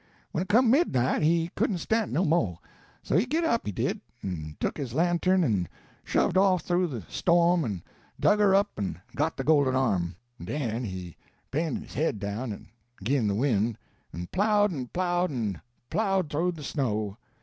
When it come midnight he couldn't stan' it no mo'; so he git up, he did, en tuck his lantern en shoved out thoo de storm en dug her up en got de golden arm; en he bent his head down 'gin de win', en plowed en plowed en plowed thoo de snow.